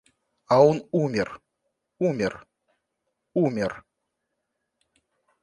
А он умер, умер, умер...